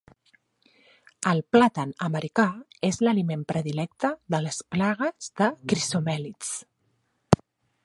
El plàtan americà és l'aliment predilecte de les plagues de crisomèlids.